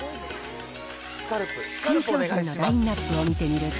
新商品のラインナップを見てみると。